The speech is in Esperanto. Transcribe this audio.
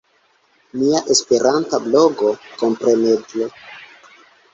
Mia esperanta blogo, kompreneble!